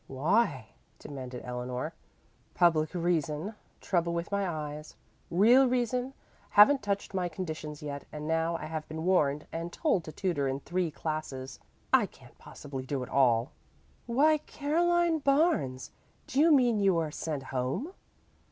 "Why?" demanded Eleanor. "Public reason trouble with my eyes; real reason haven't touched my conditions yet and now I have been warned and told to tutor in three classes. I can't possibly do it all." "Why Caroline Barnes, do you mean you are sent home?"